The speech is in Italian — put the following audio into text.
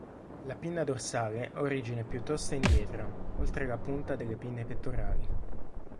La pinna dorsale ha origine piuttosto indietro, oltre la punta delle pinne pettorali.